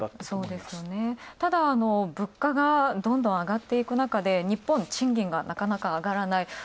そうですよね、ただ物価がどんどんあがっていく中で、日本、賃金がなかなか上がらない。